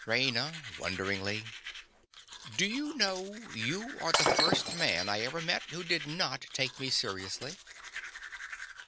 RAINA. (wonderingly). Do you know, you are the first man I ever met who did not take me seriously?